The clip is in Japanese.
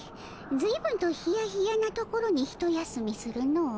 ずいぶんとヒヤヒヤなところに一休みするの。